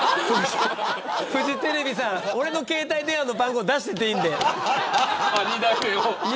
フジテレビさん俺の携帯電話の番号出していていいんで。